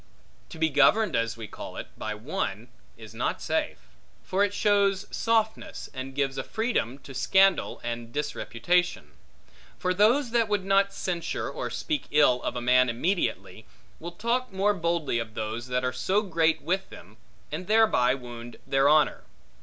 To be governed (as we call it) by one is not safe; for it shows softness, and gives a freedom, to scandal and disreputation; for those, that would not censure or speak ill of a man immediately, will talk more boldly of those that are so great with them, and thereby wound their honor.